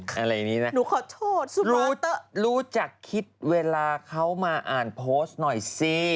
หนูขอโทษสุภาษณ์เตอร์รู้จักคิดเวลาเขามาอ่านโพสต์หน่อยสิ